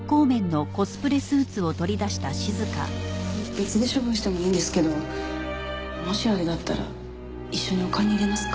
別で処分してもいいんですけどもしあれだったら一緒にお棺に入れますか？